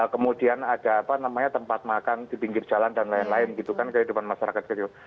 kemudian ada apa namanya tempat makan di pinggir jalan dan lain lain gitu kan kehidupan masyarakat kecil